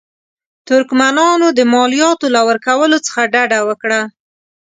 ترکمنانو د مالیاتو له ورکولو څخه ډډه وکړه.